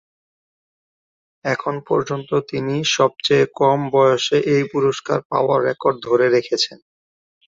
এখন পর্যন্ত তিনি সবচেয়ে কম বয়সে এই পুরস্কার পাওয়ার রেকর্ড ধরে রেখেছেন।